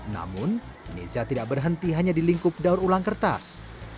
namun neza tidak berhenti hanya di lingkup daur ulang kertas